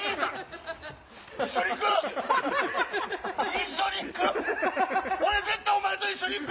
一緒に行く！